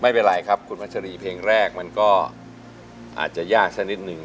ไม่เป็นไรครับคุณพัชรีเพลงแรกมันก็อาจจะยากสักนิดนึง